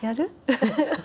ハハハハ。